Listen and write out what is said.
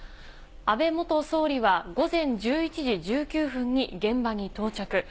安倍元総理は午前１１時１９分に現場に到着。